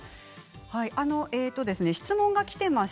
質問がきています。